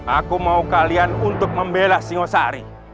aku mau kalian untuk membela singosari